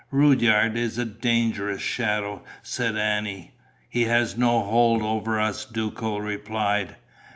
"Rudyard is a dangerous shadow," said Annie. "He has no hold over us," Duco replied.